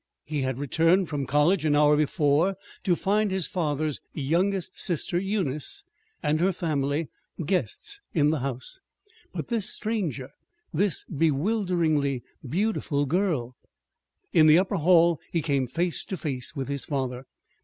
He had returned from college an hour before to find his father's youngest sister, Eunice, and her family, guests in the house. But this stranger this bewilderingly beautiful girl In the upper hall he came face to face with his father.